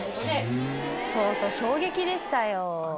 そうそう衝撃でしたよ。